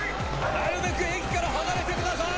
なるべく駅から離れてください！